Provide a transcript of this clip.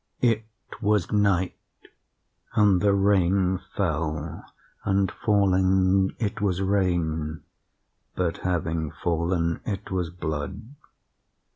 "It was night, and the rain fell; and falling, it was rain, but, having fallen, it was blood.